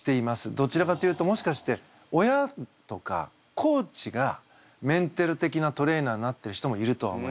どちらかというともしかして親とかコーチがメンタル的なトレーナーになってる人もいるとは思います。